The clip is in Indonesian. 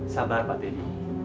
sabar pak teddy